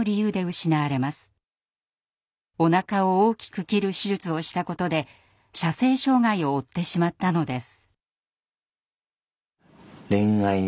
おなかを大きく切る手術をしたことで射精障害を負ってしまったのです。